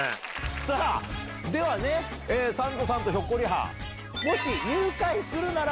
さあ、ではね、三度さんとひょっこりはん、もし入会するなら、